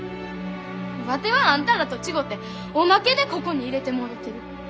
ワテはあんたらと違ておまけでここに入れてもろてる。